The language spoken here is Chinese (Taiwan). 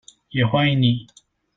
也歡迎你